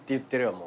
もう。